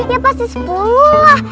ya pasti sepuluh lah